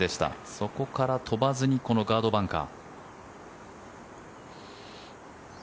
そこから飛ばずにこのガードバンカー。